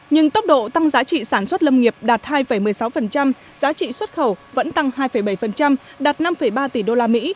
nhưng tốc độ tăng giá trị sản xuất lâm nghiệp đạt hai một mươi sáu giá trị xuất khẩu vẫn tăng hai bảy đạt năm ba tỷ usd